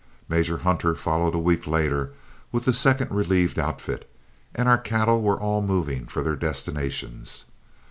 Major Hunter followed a week later with the second relieved outfit, and our cattle were all moving for their destinations.